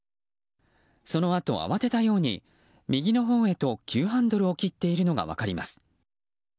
そのあと、慌てたように右のほうへと急ハンドルを切っているのが分かります。